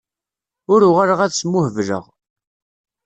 Ur uɣaleɣ ad smuhebleɣ.